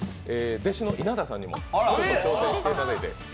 弟子の稲田さんにも挑戦していただいて。